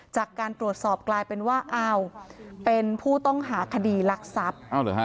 จากการตรวจสอบกลายเป็นว่าอ้าวเป็นผู้ต้องหาคดีรักทรัพย์